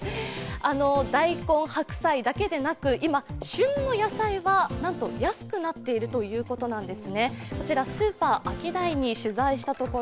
大根、白菜だけでなく今、旬の野菜はなんと安くなっているということなんです。